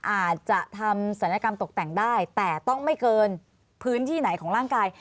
อาจจะทำศัลยกรรมตกแต่งได้แต่ต้องไม่เกินพื้นที่ไหนของร่างกาย